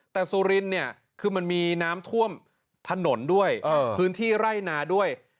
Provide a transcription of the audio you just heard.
แต่สุรินเนี่ยคือมันมีน้ำท่วมถนนด้วยพื้นที่ไร่นาด้วย